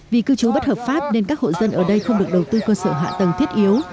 vì cư trú bất hợp pháp nên các hộ dân ở đây không được đầu tư cơ sở hạ tầng thiết yếu